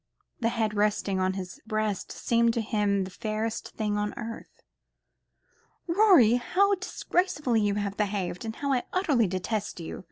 The head lying on his breast seemed to him the fairest thing on earth. "Rorie, how disgracefully you have behaved, and how utterly I detest you!"